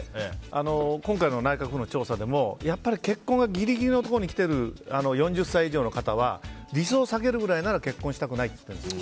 今回の内閣府の調査でも結婚ギリギリのところに来ている４０歳以上の方は理想を下げるぐらいなら結婚したくないと言っているんです。